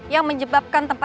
kau membersahkan ke devasan